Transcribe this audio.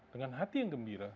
dengan hati yang gembira